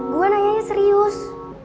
gue nanyanya serius